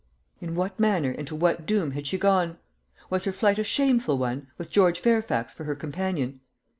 In what manner and to what doom had she gone? Was her flight a shameful one, with George Fairfax for her companion?